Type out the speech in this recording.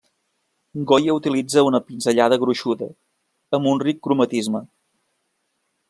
Goya utilitza una pinzellada gruixuda, amb un ric cromatisme.